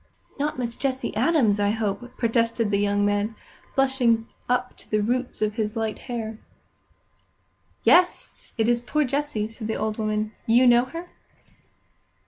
"Not Miss Jessie Adams, I hope!" protested the young man, blushing up to the roots of his light hair. "Yes, it is poor Jessie," said the old woman. "You know her?"